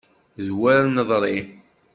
D wer neḍri!